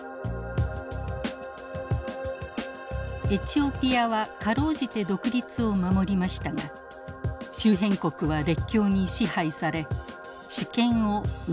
エチオピアは辛うじて独立を守りましたが周辺国は列強に支配され主権を奪われました。